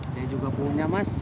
saya juga punya mas